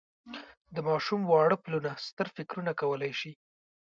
د ماشوم واړه پلونه ستر فکرونه کولای شي.